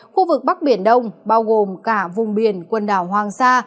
khu vực bắc biển đông bao gồm cả vùng biển quần đảo hoàng sa